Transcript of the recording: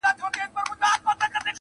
دریم یار په ځان مغرور نوم یې دولت وو-